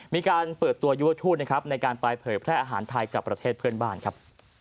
มีการเปิดตัวยุวทูตนะครับในการไปเผยแพร่อาหารไทยกับประเทศเพื่อนบ้านครับ